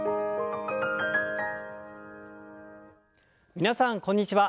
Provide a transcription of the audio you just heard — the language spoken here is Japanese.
皆さんこんにちは。